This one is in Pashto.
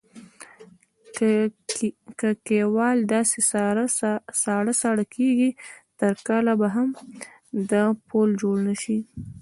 که کیوال داسې ساړه ساړه کېږي تر کاله به هم د پول جوړ نشي.